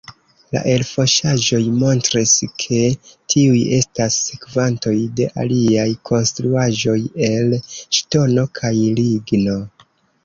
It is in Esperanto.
La elfosaĵoj montris, ke tiuj estas sekvantoj de aliaj konstruaĵoj el ŝtono kaj ligno.